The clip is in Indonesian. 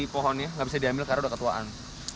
pohonnya gak bisa diambil karena ketuaan